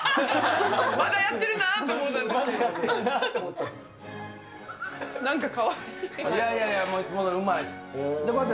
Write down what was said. まだやってるなと思った。